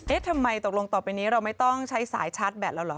ทำไมตกลงต่อไปนี้เราไม่ต้องใช้สายชาร์จแบตแล้วเหรอ